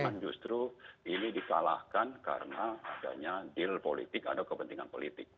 jangan justru ini disalahkan karena adanya deal politik atau kepentingan politik